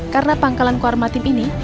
karena pangkalan koarmatim ini